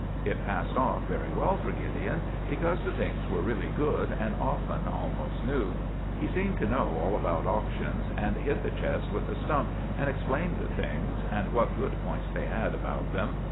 It passed off very well for Gideon, because the things were really good, and often almost new. He seemed to know all about auctions, and hit the chest with a stump, and explained the things, and what good points they had about them.